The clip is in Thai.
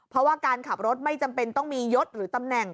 เพราะว่าการขับรถไม่จำเป็นต้องมียศหรือตำแหน่ง